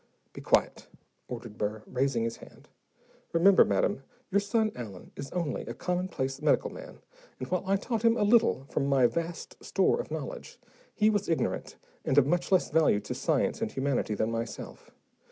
"Be quiet," ordered Burr, raising his hand. "Remember, madam, your son Allen is only a commonplace medical man, and while I taught him a little from my vast store of knowledge, he was ignorant and of much less value to science and humanity than myself.